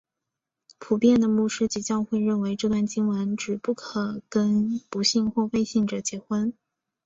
普遍的牧师及教会认为这段经文指不可跟不信或未信者结婚。